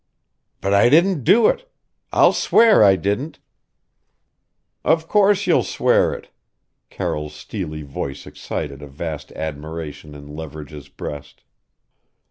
"But I didn't do it. I'll swear I didn't." "Of course you'll swear it " Carroll's steely voice excited a vast admiration in Leverage's breast.